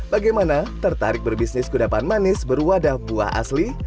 bagaimana tertarik berbisnis kudapan manis berwadah buah asli